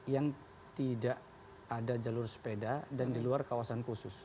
yang tidak ada jalur sepeda dan di luar kawasan khusus